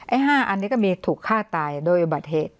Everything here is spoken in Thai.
๕อันนี้ก็มีถูกฆ่าตายโดยอุบัติเหตุ